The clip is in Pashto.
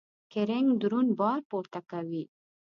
کرینګ درون بار پورته کوي.